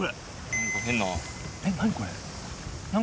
何か変な。